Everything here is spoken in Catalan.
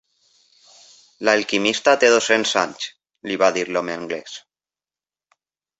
"L'alquimista té dos-cents anys", li va dir l'home anglès.